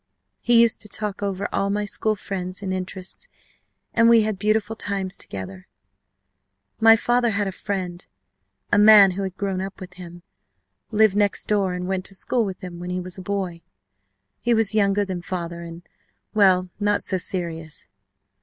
He used to talk over all my school friends and interests and we had beautiful times together. My father had a friend a man who had grown up with him, lived next door and went to school with him when he was a boy. He was younger than father, and well, not so serious.